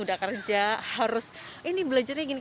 udah kerja harus ini belajarnya gini